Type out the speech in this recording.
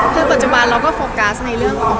คือปัจจุบันเราก็โฟกัสในเรื่องของ